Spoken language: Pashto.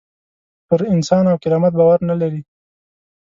پر انسان او کرامت باور نه لري.